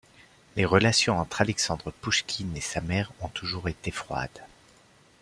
Les relations entre Alexandre Pouchkine et sa mère ont toujours été froides.